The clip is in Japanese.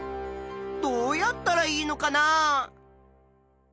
どうやったらいいのかなあ？